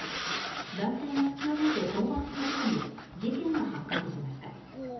男性が隙を見て交番に駆け込み事件が発覚しました。